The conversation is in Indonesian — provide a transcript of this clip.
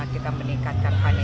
kemudian perbankan bagaimana